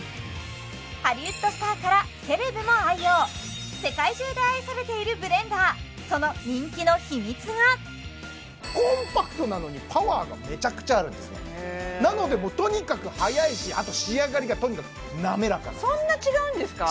ハリウッドスターからセレブも愛用世界中で愛されているブレンダーその人気の秘密がコンパクトなのにパワーがめちゃくちゃあるんですねなのでもうとにかく速いしあと仕上がりがとにかく滑らかなんですそんな違うんですか？